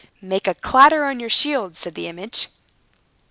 "Make a clatter on your shields," said the image.